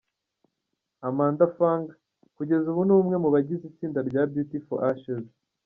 Amanda Fung kugeza ubu ni umwe mu bagize itsinda rya Beauty for Ashes.